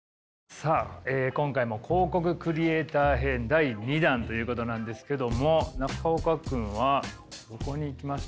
さあ今回も広告クリエーター編第２弾ということなんですけども中岡君はどこに行きました？